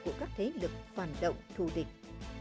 của các thế lực hoạt động thù địch